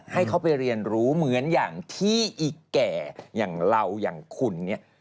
ให้เขาไปเรียนรู้เหมือนอย่างที่อีแก่อย่างเราอย่างคุณเนี่ย